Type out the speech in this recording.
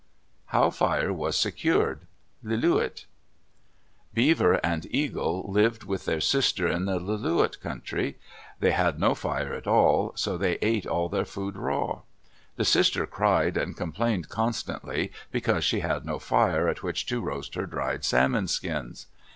HOW FIRE WAS SECURED Lillooet Beaver and Eagle lived with their sister in the Lillooet country. They had no fire at all, so they ate all their food raw. The sister cried and complained constantly because she had no fire at which to roast her dried salmon skins.